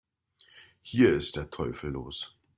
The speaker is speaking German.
Hier ist der Teufel los!